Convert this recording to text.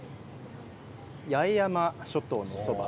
八重山諸島のそば